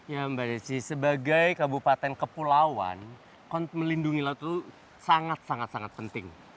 ya mbak desi sebagai kabupaten kepulauan melindungi laut itu sangat sangat penting